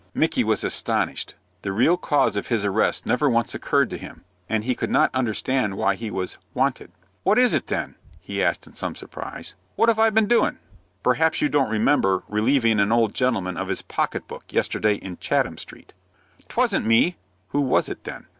Micky was astonished. The real cause of his arrest never once occurred to him, and he could not understand why he was "wanted." "What is it, then?" he asked in some surprise. "What 'ave I been doin'?" "Perhaps you don't remember relieving an old gentleman of his pocket book yesterday in Chatham Street." "'Twasn't me." "Who was it then?"